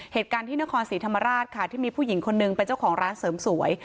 เหตุการณ์ที่นครศรีธรรมราชค่ะที่มีผู้หญิงคนนึงเป็นเจ้าของร้านเสริมสวย